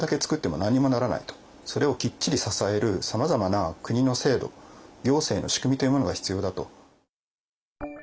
それをきっちり支えるさまざまな国の制度行政の仕組みというものが必要だと。